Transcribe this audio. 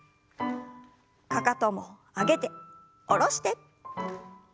かかとも上げて下ろして。